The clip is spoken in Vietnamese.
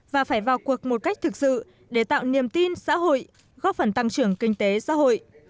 và phải vào cuộc một cách thực sự để tạo niềm tin xã hội góp phần tăng trưởng kinh tế xã hội